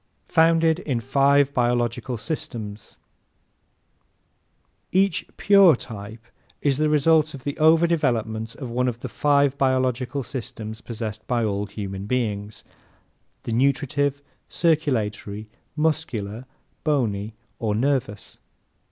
Founded in Five Biological Systems ¶ Each PURE type is the result of the over development of one of the five biological systems possessed by all human beings the nutritive, circulatory, muscular, bony or nervous.